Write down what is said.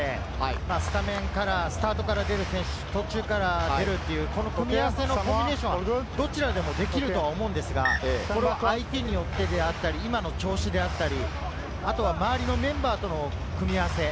齋藤直人選手とは同じチームメートで、スタメンからスタートから出る、途中から出る、この組み合わせのコンビネーション、どちらでもできるとは思うんですが、相手によってであったり、今の調子であったり、あとは周りのメンバーとの組み合わせ。